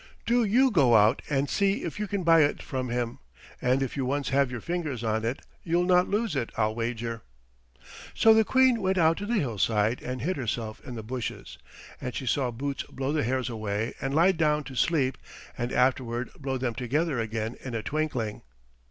Do you go out and see if you can buy it from him and if you once have your fingers on it you'll not lose it, I'll wager." So the Queen went out to the hillside and hid herself in the bushes, and she saw Boots blow the hares away and lie down to sleep and afterward blow them together again in a twinkling.